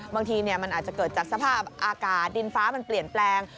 บางทีมันอาจจะเกิดจากสภาพอากาศดินฟ้ามันเปลี่ยนแปลง